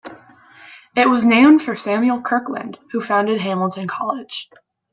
It was named for Samuel Kirkland, who founded Hamilton College.